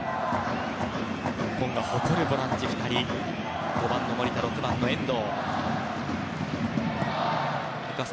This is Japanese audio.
日本が誇るボランチ２人５番、守田と６番、遠藤。